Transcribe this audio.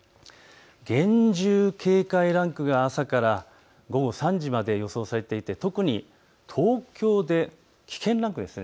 厳重警戒ランクが朝から午後３時まで予想されていて特に東京で危険ランクです。